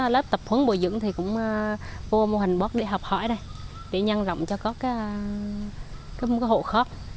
lớp tập huấn bồi dưỡng thì cũng vô mô hình bóc để học hỏi đây để nhăn rộng cho có cái hộ khóc